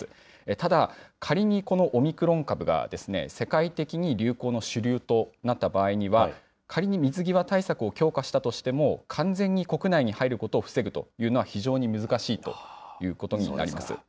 ただ、仮にこのオミクロン株が、世界的に流行の主流となった場合には、仮に水際対策を強化したとしても、完全に国内に入ることを防ぐというのは、非常に難しいということになります。